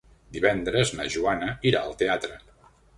Divendres na Joana irà al teatre.